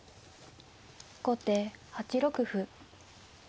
後手８六歩。